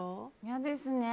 嫌ですね。